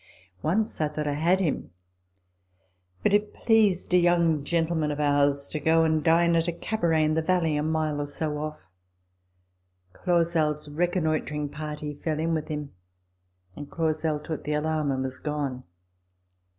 Once I thought I had him ; but it pleased a young gentleman of ours to go and dine at a cabaret in the valley a mile or two off. Clausel's reconnoitring party fell in with him, and Clausel took the alarm and was gone.